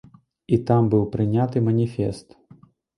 І там быў прыняты маніфест.